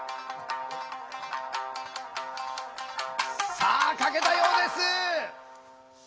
さあ書けたようです！